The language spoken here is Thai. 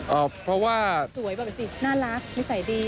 เพราะว่าสวยบอกเลยสิน่ารักนิสัยดี